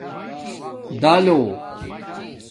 دالݸ